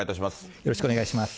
よろしくお願いします。